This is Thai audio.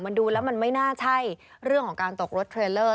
มันดูแล้วมันไม่น่าใช่เรื่องของการตกรถเทรลเลอร์